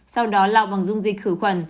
sau đó lau bằng dung dịch khử khuẩn